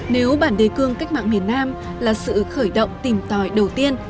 nếu bản đề cương cách mạng miền nam là sự khởi động tìm tòi đầu tiên